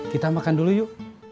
kita makan dulu yuk